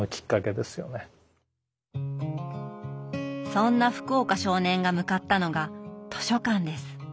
そんな福岡少年が向かったのが図書館です。